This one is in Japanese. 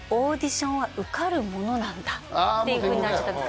もうっていうふうになっちゃったんです